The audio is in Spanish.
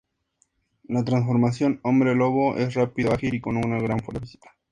La transformación: "Hombre Lobo", es rápido, ágil y con una gran fuerza física.